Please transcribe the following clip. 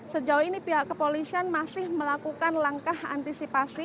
sejauh ini pihak kepolisian masih melakukan langkah antisipasi